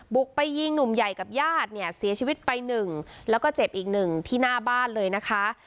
บุกไปยิงหนุ่มใหญ่กับญาติเนี่ยเสียชีวิตไปหนึ่งแล้วก็เจ็บอีกหนึ่งที่หน้าบ้านเลยนะคะ